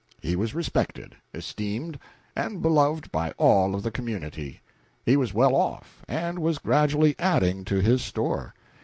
He was respected, esteemed and beloved by all the community. He was well off, and was gradually adding to his store.